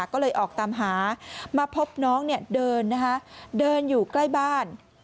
ก็เลยออกตามหามาพบน้องเดินอยู่ใกล้บ้าน